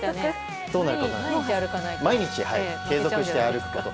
毎日継続して歩くこと。